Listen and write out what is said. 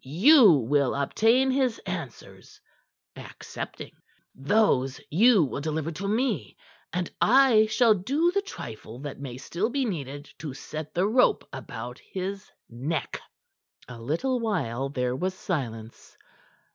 You will obtain his answers accepting. Those you will deliver to me, and I shall do the trifle that may still be needed to set the rope about his neck." A little while there was silence.